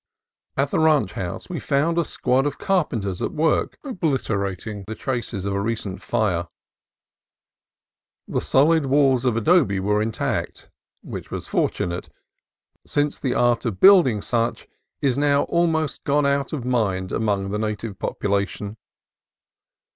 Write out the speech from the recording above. At the ranch house we found a squad of carpen ters at work obliterating the traces of a recent fire. The solid walls of adobe were intact, which was for tunate, since the art of building such is now almost gone out of mind among the native population.